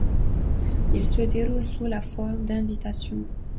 Il se déroule sous la forme d'invitation.